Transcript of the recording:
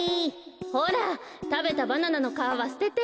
ほらたべたバナナのかわはすてて！